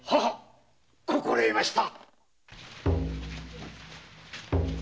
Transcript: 心得ました。